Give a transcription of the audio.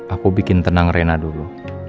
aku bikin tenang rena dulu